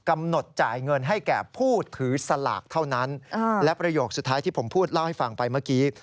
กำหนดจ่ายเงินให้แก่ผู้ถือสลากเท่านั้นและประโยคสุดท้ายที่ผมพูดเล่าให้ฟังไปเมื่อกี้